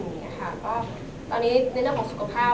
เพราะว่าตอนนี้ในเรื่องของสุขภาพ